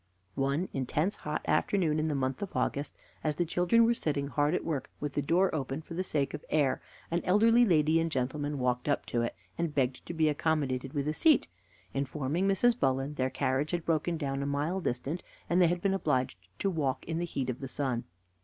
One intense hot afternoon, in the month of August, as the children were sitting hard at work with the door open for the sake of air, an elderly lady and gentleman walked up to it, and begged to be accommodated with a seat, informing Mrs. Bullen their carriage had broken down a mile distant, and they had been obliged to walk in the heat of the sun.